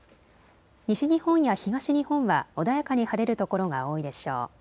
西日本や東日本は穏やかに晴れる所が多いでしょう。